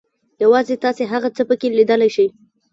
تاسو یوازې هغه څه پکې لیدلی شئ.